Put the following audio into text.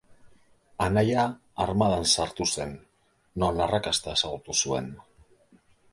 Anaia armadan sartu zen, non arrakasta ezagutu zuen.